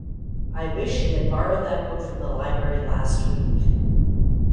I wish he had borrowed that book from the library last week.